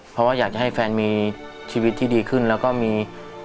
เพราะว่าอยากจะให้แฟนมีชีวิตที่ดีขึ้นแล้วก็มี